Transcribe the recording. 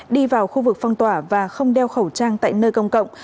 đi vào khu vực phong tỏa và không đeo khẩu trang tại nơi công cộng